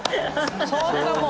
そんなもん。